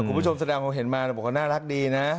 คุณผู้ชมแสดงความเห็นมาบอกว่าน่ารักดีนะ